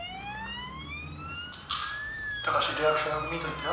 高橋リアクションよく見といてよ。